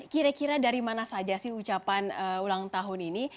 kira kira dari mana saja sih ucapan ulang tahun ini